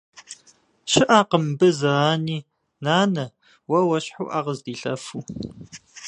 Щыӏэкъым мыбы зы ани, нанэ, уэ уэщхьу ӏэ къыздилъэфу.